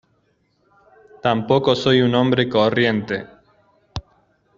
tampoco soy un hombre corriente.